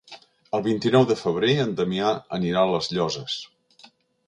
El vint-i-nou de febrer en Damià anirà a les Llosses.